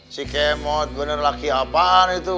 si kemot bener laki apaan itu